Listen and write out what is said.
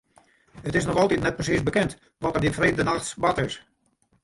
It is noch altyd net persiis bekend wat der dy freedtenachts bard is.